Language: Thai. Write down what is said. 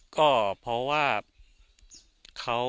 ก็เพราะว่าเขา